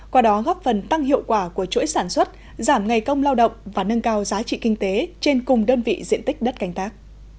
qua đó góp phần tăng hiệu quả của chuỗi sản xuất giảm ngày công lao động và nâng cao giá trị kinh tế trên cùng đơn vị diện tích đất canh tác